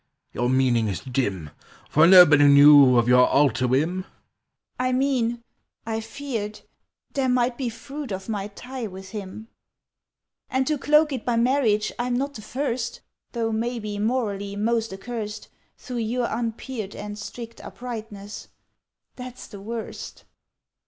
Your meaning is dim, For nobody knew of your altar whim?" "I mean—I feared There might be fruit of my tie with him; "And to cloak it by marriage I'm not the first, Though, maybe, morally most accurst Through your unpeered And strict uprightness. That's the worst!